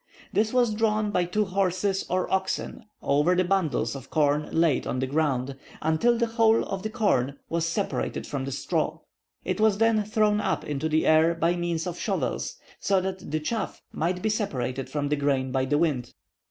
This was drawn by two horses or oxen over the bundles of corn laid on the ground, until the whole of the corn was separated from the straw. It was then thrown up into the air by means of shovels, so that the chaff might be separated from the grain by the wind.